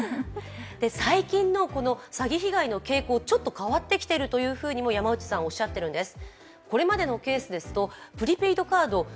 最近の詐欺被害の傾向、ちょっと変わってきていると山内さん話しているんです。